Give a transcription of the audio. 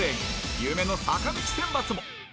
夢の坂道選抜も。